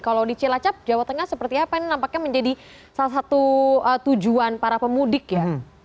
kalau di cilacap jawa tengah seperti apa ini nampaknya menjadi salah satu tujuan para pemudik ya